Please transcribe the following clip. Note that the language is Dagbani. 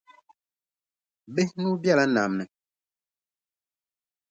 Bihi nuu bela nam ni.